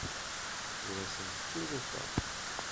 Ur asent-ssurufeɣ.